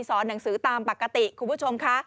หนังสือตามปกติคุณผู้ชมค่ะ